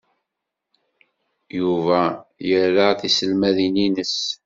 Yuba ira tiselmadin-nnes.